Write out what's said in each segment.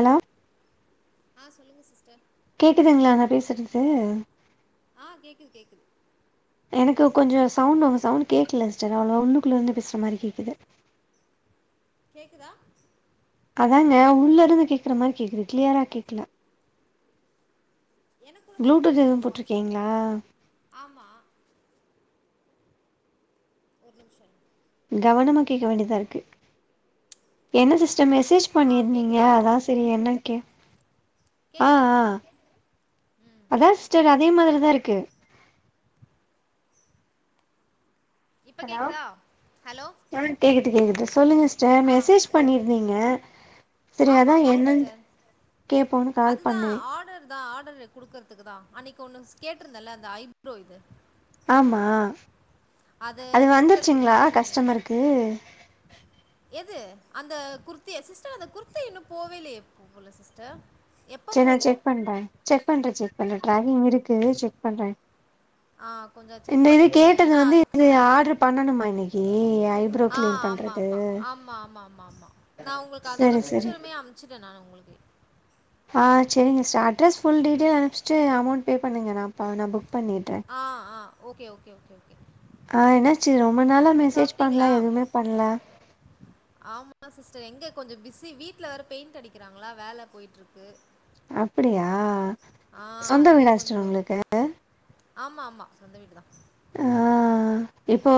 Hello ஆ சொல்லுங்க sister கேட்குதுங்களா நா பேசுறது ஆ கேக்குது கேக்குது எனக்கு கொஞ்ச சவுண்ட் உங்க சவுண்ட் கேட்கல சிஸ்டர் அதுல உள்ளுக்குல இருந்து பேசுற மாரி கேக்குது கேக்குதா அதாங்க ஹலோ உள்ள இருந்து கேக்குற மாரி கேக்குது கிளியரா கேக்கல எனக்குள்ள தா ப்ளூடூத் உங்களுக்கு எதுவு வாய்ஸ் அப்டி போட்ருக்கீங்களா கேக்குது ஆமா ஒரு நிம்ஷோ இரு கவனமா கேக்க வேண்டிதா இருக்கு என்ன சிஸ்டர் மெசேஜ் ஆ பண்ணிருந்தீங்க கேக்குதா அதா சேரி என்னனு கே ஆ கேக்குதா ஆ அதா சிஸ்டர் அதே மாரி தா இருக்கு இப்ப கேட்குதா ஹலோ அஹ் கேக்குது கேக்குது சொல்லுங்க சிஸ்டர் ஆ மெசேஜ் பண்ணிருந்தீங்க சரி ஆமா அதா ஆமா என்னன்னு சிஸ்டர் கேப்போன்னு கால் அதுதா பண்ணே ஆர்டர் தா ஆர்டரு குடுக்குறதுக்கு தா அன்னைக்கு ஒன்னு கேட்ருந்தல்ல அந்த ஐப்ரோ இது ஆமா அது குடுக்கறதுக்கு வந்துருச்சிங்களா தா சேரி கஸ்டமருக்கு எது அந்த குர்த்திய சிஸ்டர் அந்த குர்த்தி இன்னு போவேல்லயே போகல சிஸ்டர் எப்போ செரி நா போகு செக் பண்ற செக் பண்ற செக் பண்ற டிராகிங் இருக்கு செக் பண்ற ஆ கொஞ்ச என்ன இது கேட்டது வந்து இது ஆர்டர் பண்ணணுமா இன்னைக்கி ஐப்ரோ ஆ கிளீன் ஆமா பண்றது மா ஆமா ஆமா ஆமாம மா நா உங்களுக்கு அதோட செரி செரி பிச்சருமே அமுச்சுட்ட நா உங்களுக்கு ஆ செரிங்க சார் அட்ரஸ் ஃபுல் டீட்டெயில் அனுப்பிச்ட்டு அமோண்ட் பே பண்ணுங்க நா அப்போ நா புக் பண்ணிட்ற ஆ ஆ ஓகே ஓகே ஓகே ஓகே ஆ என்னாச்சு ரொம்ப நாளா மெசேஜ் பண்ல சாப்பிட்டீங்களா? எதுமே பண்ல ஆமா சிஸ்டர் எங்க கொஞ்ச பிஸி வீட்ல வேற பெயிண்ட் அடிக்கறாங்களா வேல போய்ட்டுருக்கு அப்டியா சொந்த அதுவே வீடா சிஸ்டர் கொஞ்சம் உங்களுக்கு ஆமா ஆமா சொந்த வீடு தா அஹ் இப்போ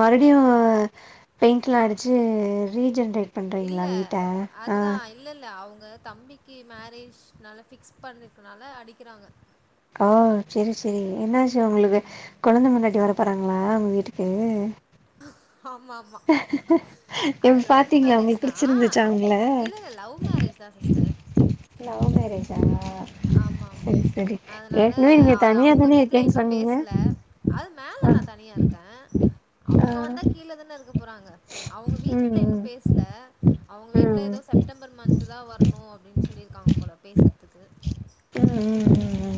மறுடியு பெயிண்ட்ல்லா அடிச்சு ரீஜென்ரேட் பண்றீங்களா வீட்ட ஆ இல்லல்ல அவுங்க தம்பிக்கு மேரேஜ்னால ஃபிக்ஸ் பண்ணிருக்குனால அடிக்கிறாங்க ஓ செரி செரி என்னாச்சு உங்களுக்கு கொழுந்த பொண்டாட்டி வர போறாங்களா உங்க வீட்டுக்கு ஆமா ஆமா. என்ன அது லவ் பாத்தீங்ளா மேரேஜ் உங்களுக்கு தான். பிடிச்சிருந்துச்சா அவங்கள இல்ல, இல்ல. லவ் மேரேஜ் தான் சிஸ்டர். லவ் மேரேஜ் ஆ ஆமா ஆமா செரி செரி அதனால ஏக்கனவே நீங்க அது தனியா அவங்க தானே வீட்ல இருக்கேன் இன்னும் சொன்னீங்க பேசல அது மேல ஆ, நா தனியா இருக்கே ஆ. அவங்க வந்தா கீழ தானு இருக்க போறாங்க அவங்க ம், வீட்ல இன்னு ம், பேசல அவுங்க ம், வீட்ல ம், எதோ செப்டம்பர் மன்த் தா வர்ணு அப்புடின் சொல்லிருக்காங்க போல பேசர்துக்கு ம் ம்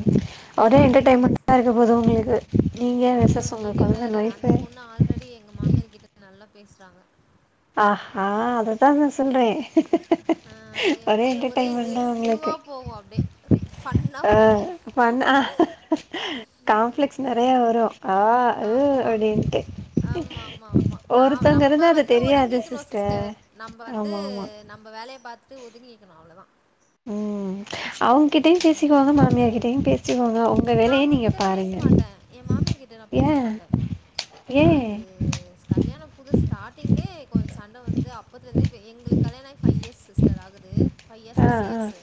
ஒரே அதனால ச என்டர்டைமண்டா இருக்க போது உங்களுக்கு நீங்க வெர்ஸஸ் ஒங்க கொழுந்தன் வைய்ஃபு முன்னாடி எங்க மாமியார் கிட்ட நல்லா பேசுறாங்க ஆஹா அததா நா சொல்றே ஒரே என்டடெய்யின்மெண்டுதா உங்களுக்கு போவோ அப்டே அ பண்ண காம்ப்ளெக்ஸ் நெறைய வரு ஆ ஊ ஆமா. அப்டீன்ட்டு ஆமா ஆமா ஆமா ந நம்ப அது வந்து தெரியாது ஒதுங்கிக்கணு சிஸ்டர் நம்ப வந்து ஆமா ஆமா நம்ப வேலய பாத்துட்டு ஒதுங்கிக்கணு அவ்ளோதா ம் அவுங்கிட்டேயு பேசிக்கோங்க எங்கயும் போக்கூடாது. மாமியார்கிட்டேயு பேசிக்கோங்க உங்க நான் வேலய நீங்க உங்ககிட்ட பேச பாருங்க மாட்டேன். என் மாமியார் கிட்ட நான் பேச ஏ மாட்டே ஏ அது கல்யாண புது ஸ்டார்டிங்கிலே கொஞ்ச சண்ட வந்து அப்பத்துல இருந்தே எங்களுக்கு கல்யாண ஆயி ஃபைவ் இயர் சிஸ்டர் ஆகுது ஃபைவ் இயர்ஸ் ஆ சிக்ஸ் ஆ இயர்ஸ்சு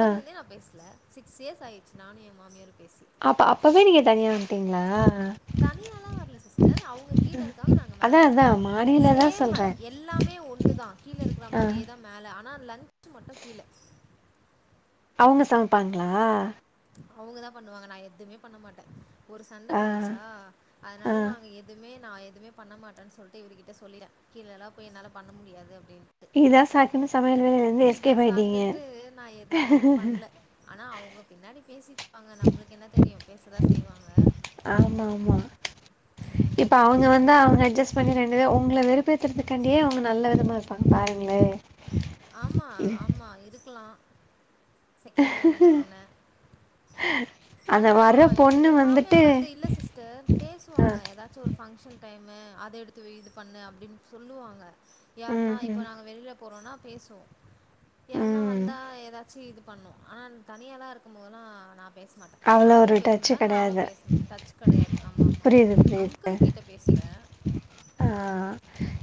ஆ இருந்தே நா பேசல சிக்ஸ் இயர்ஸ் ஆயிர்ச்சி நானு எ மாமியாரு பேசி அப்ப அப்பவே நீங்க தனியா வந்ட்டீங்களா தனியாலா வரல சிஸ்டர் அவுங்க கீழ இருக்காங்க நாங்க அதா மேல அதா இருக்கோ மாடிலதா சேம் சொல்றே எல்லாமே ஒண்ணுதா கீழ இருக்கிற ஆ மாரியேதா மேல ஆனா லஞ்சு மட்டு கீழே அவுங்க சமப்பாங்களா அவுங்கதா பண்ணுவாங்க நா எத்துமே பண்ண மாட்டே ஒரு சண்ட ஆ வந்துச்சா ஆ அதுனால நாங்க எதுவுமே நா எதுமே பண்ண மாட்ட சொல்ட்டு இவரு கிட்ட சொல்லிட்டே கீழல்லா போய் என்னால பண்ண முடியாது அப்டின்னு இதா சாக்குன்னு சமையல் வேலைல இருந்து இதா எஸ்கேப் ஆயிட்டீங்க சாக்குன்ட்டு நா எதுமே நா பண்ல ஆனா அவுங்க பின்னாடி பேசிருப்பாங்க நம்ப்ளுக்கு என்ன தெரியு பேசதா செய்வாங்க ஆமா ஆமா இப்ப அவுங்க வந்தா அவுங்க அட்ஜஸ் பண்ணி ரெண்டுபே உங்கள வெறுப்பேத்துறதுக்காண்டியே அவுங்க நல்ல விதமா இருப்பாங்க பாருங்களே ஆமா ஆமா இருக்குலா செகண்ட் வந்துட்டோன்ன அந்த ஆனா வர்ற பொண்ணு வந்துட்டு எம்மாமியார் வந்து இல்ல சிஸ்டர் ஆ பேசுவாங்க எதாச்சு ஒரு ஃபங்ஷன் டைமு அத எடுத்து வை இது பண்ணு அப்டின் சொல்லுவாங்க ம் யார்னா ம் இப்போ நாங்க வெளியில‌போறோன்னா பேசுவோ யார்ன்னா ம் வந்தா எதாச்சு இ பண்ணோ ஆனா தனியாலா இருக்கும் போதுல்லா நா பேஸ் மாட்ட அவ்ளோ அவுங்களு ஒரு பேச டச்சு மாட்டாங்க நானு கெடையாது பேச மாட்டே டச் கெடையாது ஆமா ஆமா புரியுது புரியுது அங்கிள் கிட்ட பேசுவே ஆ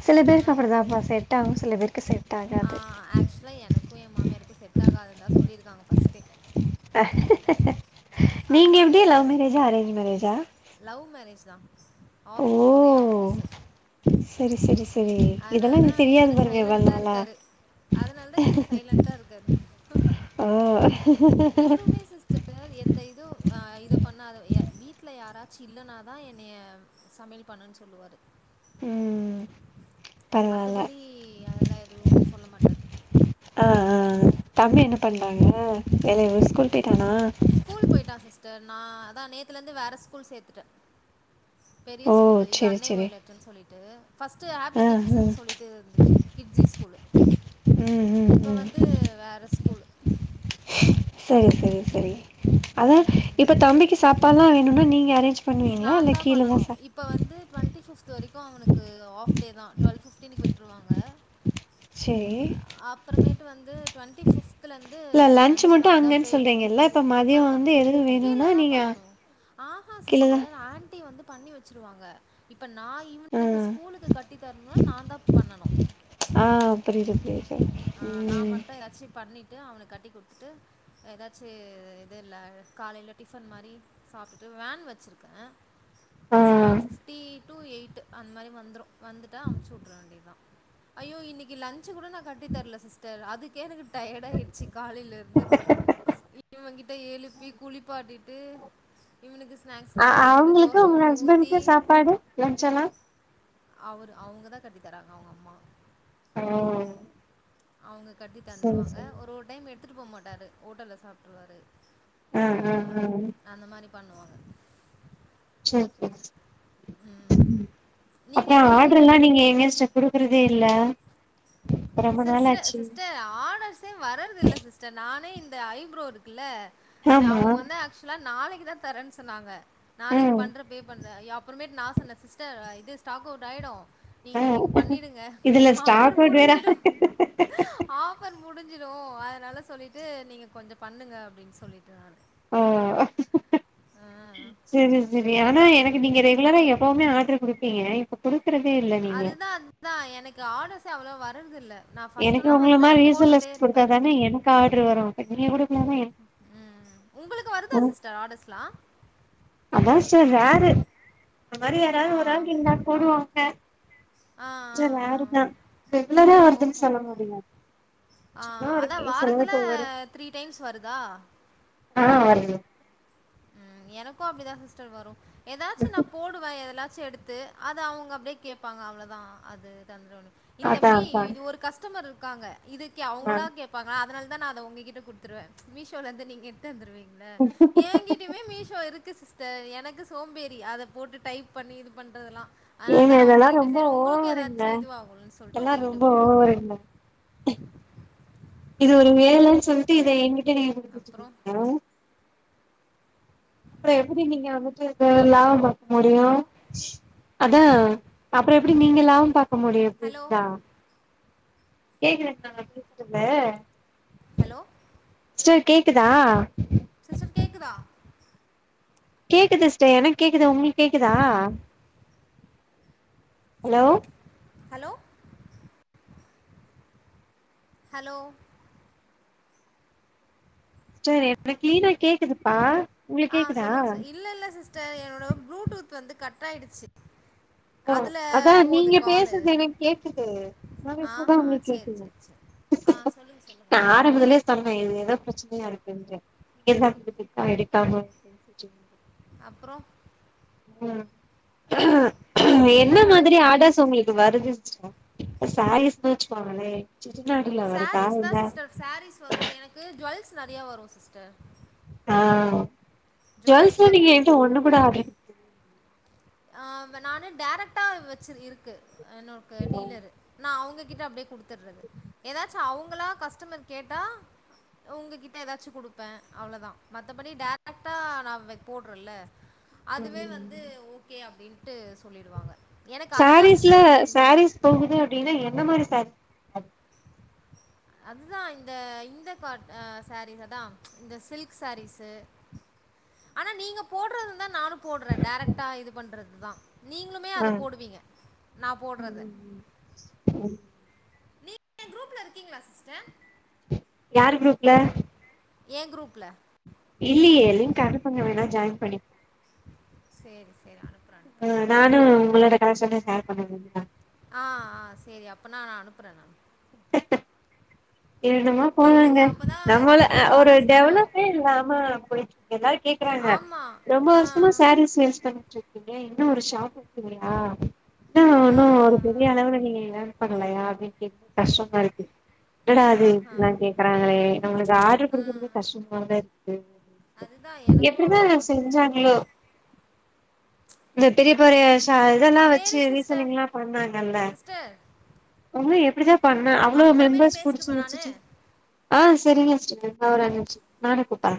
சில ஆனா பேருக்கு அப்பிடிதாப்பா செட்டாவு சில பேருக்கு செட் ஆ ஆகாது ஆக்சுவலா எனக்கு எ மாமியாருக்கு செட் ஆகாதுன்னு தா சொல்லிருக்காங்க ஃபஸ்ட்டே நீங்க அதனால எப்டி லவ் மேரஜா அரேஞ்ச் மேரேஜா லவ் மேரேஜ் தா ஓ ஆஃப்பிஸு ஒரே ஆஃப்பிஸு செரி செரி செரி இதெல்லா அதனால்தா எனக்கு தெரியாது இவரு பாருங்க இவ்ளோ சைலன்டா இருக் நாளா கரு அதனால் தா இவுரு சைலன்டா இர்க்காரு ஓ இவுருமே சிஸ்ட ர் எந்த இதுவு ஆ இதப் பண்ணாத எ வீட்ல யாராச்சு இல்லான்னாதா என்னைய சமயல் பண்ணுன்னு சொல்லுவாரு ம் இது பரவால்ல மத்தபடி அதெல்லா எதுவு சொல்ல மாட்டார் அ அ அ தம்பி என்ன பண்றாங்க வேலைய ஸ்கூல் போய்ட்டானா ஸ்கூல் போயிட்டா சிஸ்டர் நா அதா நேத்துல இருந்து வேற ஸ்கூல் சேத்துட்ட பெரிய ஓ ஸ்கூல்லு இது செரி அன்னை செரி ஒயலட்டுன்னு சொல்லிட்டு ஃபஸ்ட்டு ஹேப்பி ஆ ஆ கிட்ஸ்னு சொல்லிட்டு இருந்துச்சு கிட்ஜி ஸ்கூலு ம் ம் இப்ப ம் வந்து வேற ஸ்கூல் செரி செரி செரி அதா இப்ப தம்பிக்கு சாப்பால்லா வேணும்னா நீங்க அரேஞ்ச் பண்ணுவீங்களா இல்ல கீழதா தா சா இப்ப வந்து டுவெண்ட்டி ஃபிப்து வரைக்கு அவனுக்கு ஆஃப் டே தா டுவெல் ஃபிஃப்டினிக்கு விட்ருவாங்க சேரி அப்புறமேட்டு வந்து டுவெண்ட்டி ஃபிஃப்த்துலலருந்து இல்ல லன்ச் லன்ச்சு மட்டு நா தா அங்கன்னு ப்ரே சொல்றீங்கல்ல இப்ப மதியோ பிரிப்பர் வந்து பண்ணணு எதுவு கீழ வேணுனா தா நீங்க பண்ணணு ஆஹா கீழதா சிஸ்டர் ஆண்டி வந்து பண்ணி வச்சிருவாங்க இப்ப நாயு ஆ வனுக்கு ஸ்கூலுக்கு கட்டி தரணும்னா நான் தா பண்ணனு ஆ புரியுது பு ஆ நா மட்டு ஏதாச்சு பண்ணி விட்டு அவனுக்கு கட்டி குடுத்துட்டு ஏதாச்சு இது இல்ல காலையில டிஃபன் மாரி சாப்ட்டு வேன் வச்சிருக்கே ஆ செவன் ஃப்ட்டி டு எயிட் அந்த மாரி வந்துரு வந்துட்டா அமுச்சு வுட்ற வேண்டியிதுதா ஐயோ இன்னைக்கு லன்ச் கூட நா கட்டித்தரல சிஸ் டர் அதுக்கே எனக்கு டயர்ட் ஆயிடுச்சு காலையில இருந்து இவங்கிட்ட எழுப்பி குளிப்பாட்டிட்டு இவனுக்கு ஸ்நாக்ஸ் அ கட்டி குடுத்துட்டு அவங்களுக்கு தோச உங்க ஒன்னு ஊத்தி ஹஸ்பண்ட்க்கு சாப்பாடு லன்ச் எல்லா அவரு அவங்கதா கட்டி தராங்க அவ்ங்க அம்மா ஓ அவங்க கட்டி சரி தந்துருவாங்க சரி ஒரு ஒரு டைம் எடுத்துட்டு போ மாட்டாரு ஹோட்டல்ல சாப்ட்டுருவாரு ஆ அந்த ஆ மாரி ஆ அந்த மாரி பண்ணுவாங்க சேரி சேரி ம் நீங்கள் அப்றம் எங்கே இருக்கீங்க ஆர்டர்லா நீங்க எங்க சிஸ்டர் குடுக்குறதே இல்ல ரொம்ப சிஸ்டர் நாளாச்சு சிஸ்டர் ஆர்டர்ஸ் வரறது இல்ல சிஸ்டர் நானே இந்த ஐப்ரோ இருக்குல்ல இந்த ஆமா அவ்ங்க வந்து ஆக்சு சுல நாளைக்கு தா தரேன்னு சொன்னாங்க நாளைக்கு ம் பண்ற பே பண் றே அப்புறமே நா சொன்னன் சிஸ்டர் இது ஸ்டாக்கு அவுட் ஆயிடும் ஆ நீங்க இன்னைக்கு பண்ணிடுங்க இதுல ஆஃபர் ஸ்டாக் அவுட் வேற முடிஞ்சிடு ஆபர் முடிஞ்சிடு அதனால சொல்லிட்டு நீங்க கொஞ்ச பண்ணுங்க அப்டின்னு சொல்லிட்டு நானு ஓ சேரி சேரி ஆனா எனக்கு நீங்க ரெகுலரா எப்பவுமே ஆர்டர் குடுப்பீங்க இப்ப குடுக்குறதே இல்ல நீங்க அதுதா அதுதா எனக்கு ஆர்டர்ஸே அவ்ளவா வரது இல்ல எனக்கு உங்கள மாரி ரீசல்ஸ் குடுத்தா தானே எனக்கு ஆர்டர் வரு நீங்க கூட ம் உங்களுக்கு வருதா ம் சிஸ்டர் ஆடர்ஸ்லா அதா சிஸ்டர் வேற இந்த மாரி யாராவது ஒரு ஆள் ஆ நின்னா போடுவாங்க ஆ ஆ கொஞ்ச ஆ ரருதா ரெகுலரா வருதுன்னு ஓஹோ! சொல்ல முடியாது ஆ சும்மா ஒரு அதா கேஸ் வாரத்துல அளவுக்கு வரு த்ரீ டைம்ஸ் வருதா ஆ வருது ம் எனக்கு அப்டிதா சிஸ்டர் வரு ஏதாச்சு நா போடுவ எதலாச்சு எடுத்து அது அவங்க அப்டியே கேட்பாங்க அவ்ளதா அது தந்துருனு இந்த அதா மீ அதா ஒரு கஸ்டமர் இருக்காங்க இதுக்கு ஆ அவுங்களா கேப் பாங்களா அதனால தா நா அத உங்ககிட்ட குடுத்துருவே மீஷோல இருந்து நீங்க எத்தாந்துருவீங்கள ஏங்கிட் மே மீஷோ இருக்கு சிஸ்டர் எனக்கு சோம்பேரி அத போட்டு டைப் பண்ணி இது பண்றதெல்லா அதனால ஏங்க தா நா இதெல்லா உங்ககிட்ட ரொம்ப செரி உங்களுக்கு ஓவருங்க ஏதாச்சு இதுவாகணுன்னு சொல்ட்டு இதெல்லா உங்ககிட்ட ரொம்ப குடுத்துறது ஓவருங்க இது ஒரு வேலன்னு சொல்ட்டு இத எங்கிட்ட நீ குடுத்து அப்புறம்? வச்சிருக்கீங்க அப்றோ எப்டி நீங்க வந்துட்டு லாபம் பாக்க முடியு ஹலோ அதா அப்றோ எப்டி நீங்க லாபம் பாக்க முடியு இப்டி ஹலோ இருந்தா கேக்ற நா ஹலோ [inaudible] சிஸ்டர் கேக்குதா சிஸ்டர் கேக்குதா கேக்குது சிஸ்டர் எனக்கு கேக்குது உங்ளுக்கு கேக்குதா ஹலோ ஹலோ ஹலோ சிஸ்டர் எனக் கிளீனா கேக்குதுப்பா உங்களுக்கு ஆ கேக்குதா சொல்லுங் சா இல்ல இல்ல சிஸ்டர் என்னோட ப்ளூடூத் வந்து கட் ஆயிடுச்சு ஆ அதுல அதா போது நீங்க காலு பேசுறது எனக்கு கேக்குது நா பேசுறதா ஆஹ உங்களுக்கு சேர் கேக்கல சேர் சேரி ஆ சொல்லுங்க சொல்லுங்க ஆரம்பத்லே சொன்னே இது ஏதோ பிரச்சனையா இருக்குன்டு [inaudible] எடுக்காம [inaudible] அப்றோ ம் என்ன மாதிரி ஆடர்ஸ் உங்களுக்கு வருது சிஸ்டர் இப்ப சாலிஸ்னு வச்சுகோங்ளே செட்டிநாடி சாரீஸ் தா சிஸ்டர் சாரீஸ் வரு எனக்கு ஜுவல்ஸ் நெறைய வரு சிஸ்டர் ஆ ஜுவல்ஸ் ஜுவல்ஸ்சு நீங்க வரும் என்ட ஒண்ணு கூட ஆடர் ஆ நானு டேரக்டா வச்சு இருக்கு என்னோக்கு டீலரு நா அவுங்ககிட்ட அப்டியே குடுதுறது ஏதாச்சு அவுங்களா கஸ்டமர் கேட்டா உங்ககிட்ட ஏதாச்சு குடுப்பே அவ்வளதா மத்தபடி டேரக்டா நா வா போட்றேல அதுவே வந்து ம் ஓகே அப்டின்ட்டு சொல்லிடுவாங்க எனக்கு அதுதா சாரீஸ்ல சிஸ்டர் சாரீஸ் போகுது அப்டினா என்ன மாரி சாரி அதுதா இந்த இந்த பாட் ஆ சாரீஸ் அதா இந்த சில்க் சாரீஸ்சு ஆனா நீங்க போடறந்தா நானு போடுறே டரைக்டா இது பண்றது தா நீங்களுமே ஆ அத போடுவீங்க நா போடுறத ம் எ குரூப்ல இருக்கீங்களா சிஸ்டர் யாரு குரூப்ல ஏ குரூப்ல இல்லியே லிங்க் அனுப்புங்க வேணா ஜாயின் பண்ணி சேர் சேர் அனுப் ஆ நானு உங்களோட கடை சொல்லி ஷேர் பண்ணுவீங்ளா ஆ ஆ செரி அப்ப நா அனுபுற நா என்னமோ பண்ணுங்க போதுங்க அப்போ தான் நம்மள ஏதாச்சும் அ ஒரு ஆர்டர்ஸ்னால் வரும் டெவலப்பே இல்லாம போயி எல்லாரு கேக்குறாங்க ஆமாம் ரொம்ப ஆ வருசமா சாரீஸ் சேல்ஸ் பண்ணிட் இரு க்கீங்க இன்னு ஒரு ஷாப்பு இல்லிங்ளா ஆ ஆ இன்னு ஒரு ஆ, பெரிய அளவுல நீங்க ஏர்ன் பண்ணலையா அப்டின் கேக் கஷ்டமா இருக்கு என்னடா இது ஆஹா இப்பலா கேக்குறாங்ளே நம்மளுக்கு ஆர்டர் புடிகறது கஷ்டமா தா இருக்கு அதுதான் எனக்கும் எப்டிதா இத அப்படிதான் சிஸ்டர் செஞ்சாங்ளோ இந்த பெரிய பெரிய ஷ இதெல்லா வச்சு சரி சிஸ்டர் ரீசனிங் எல்லா பண்ணாங்கள சிஸ்டர் உங்க எப்படிதா பண்ண அவ்ளோ அப்புறமேட்டு மெம்பர்ஸ் புடிச்சு பேசிட்டுமா வச்சிட்டு நான் ஆ செரிங்க சிஸ்டர் நா ஒரு அஞ்சு நிமிஷத்துல நானே கூப்பர்ற